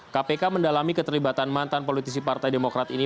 kpk mendalami keterlibatan mantan politisi partai demokrat ini